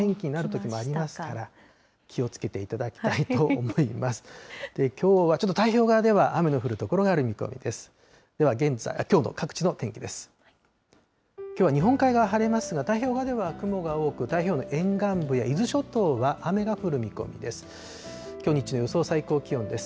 きょうは日本海側、晴れますが、太平洋側では雲が多く、太平洋の沿岸部や伊豆諸島は雨が降る見込みです。